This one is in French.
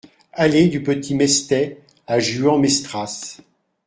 Allée du Petit Mestey à Gujan-Mestras